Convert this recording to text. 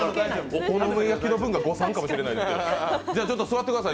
お好み焼きの分が誤算かもしれないですけど。